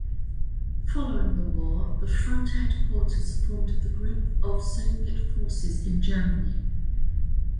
Following the war, the Front headquarters formed the Group of Soviet Forces in Germany.